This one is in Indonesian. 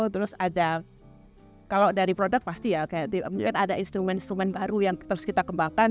terus ada kalau dari produk pasti ya kayak mungkin ada instrumen instrumen baru yang terus kita kembangkan